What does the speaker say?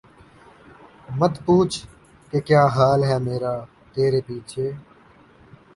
مت پوچھ کہ کیا حال ہے میرا ترے پیچھے